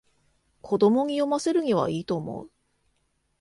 子供に読ませるにはいいと思う